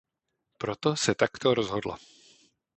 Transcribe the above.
Proto se takto rozhodla.